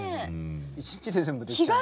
一日で全部できちゃうもんね。